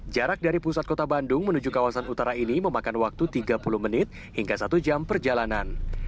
jarak dari pusat kota bandung menuju kawasan utara ini memakan waktu tiga puluh menit hingga satu jam perjalanan